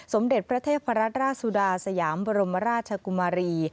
สมเด็จพระเทพรัตนราชสุดาสยามบรมราชกุมารี